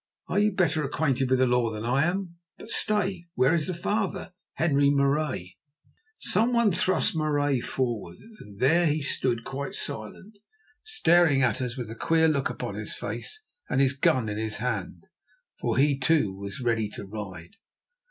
Are you better acquainted with the law than I am? But stay, where is the father, Henri Marais?" Someone thrust Marais forward, and there he stood quite silent, staring at us with a queer look upon his face and his gun in his hand, for he, too, was ready to ride.